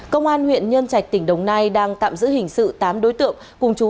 công an huyện nhân trạch tỉnh đồng nai đang tạm giữ hình sự tám đối tượng cùng chú